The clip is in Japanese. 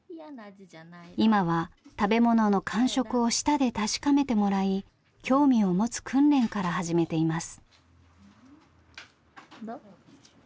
今は食べ物の感触を舌で確かめてもらい興味を持つ訓練から始めています。